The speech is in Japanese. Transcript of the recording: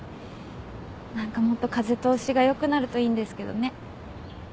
何かもっと風通しが良くなるといいんですけどね。